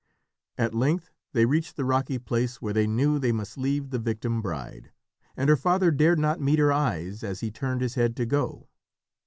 At length they reached the rocky place where they knew they must leave the victim bride, and her father dared not meet her eyes as he turned his head to go.